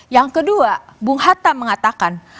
yang kedua bung hatta mengatakan